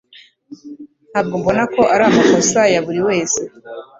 Ntabwo mbona ko ari amakosa ya buri wese